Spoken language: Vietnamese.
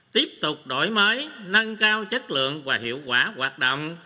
tiếp tục đổi mới nâng cao chất lượng và hiệu quả hoạt động